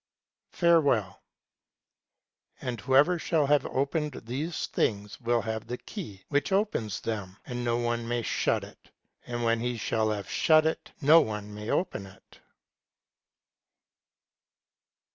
FAREWELL. And whoever shall have opened these things will have the key which opens them, and no one may shut it ; and when he shall have shut it no one may open it.